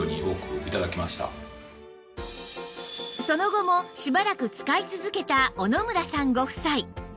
その後もしばらく使い続けた小野村さんご夫妻